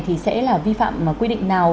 thì sẽ là vi phạm quy định nào